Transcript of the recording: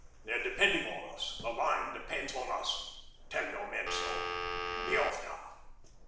They're depending on us; the line depends on us. Tell your men so. Be off, now.'